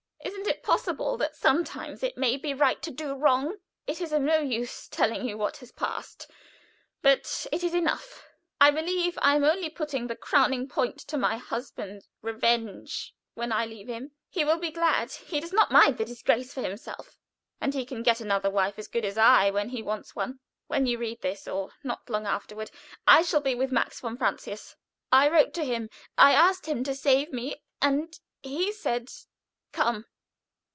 Isn't it possible that sometimes it may be right to do wrong? It is of no use telling you what has passed, but it is enough. I believe I am only putting the crowning point to my husband's revenge when I leave him. He will be glad he does not mind the disgrace for himself; and he can get another wife, as good as I, when he wants one. When you read this, or not long afterward, I shall be with Max von Francius. I wrote to him I asked him to save me, and he said, 'Come!'